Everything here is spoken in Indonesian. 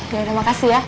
ya terima kasih ya